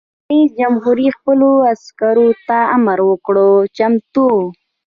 رئیس جمهور خپلو عسکرو ته امر وکړ؛ چمتو!